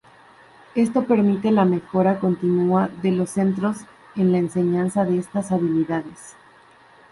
Esto permite la mejora continua de los centros en la enseñanza de estas habilidades.